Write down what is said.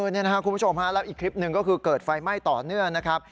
นี่นะครับคุณผู้ชมฮะแล้วอีกคลิปหนึ่งก็คือเกิดไฟไหม้ต่อเนื่องนะครับ